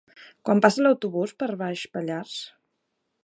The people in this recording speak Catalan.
Quan passa l'autobús per Baix Pallars?